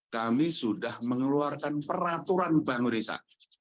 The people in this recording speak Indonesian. kami sudah mengeluarkan peraturan bangunisa